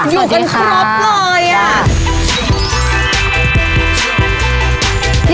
อยู่กันครบเลย